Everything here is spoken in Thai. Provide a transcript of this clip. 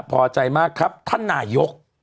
พอใจมากครับท่านนายก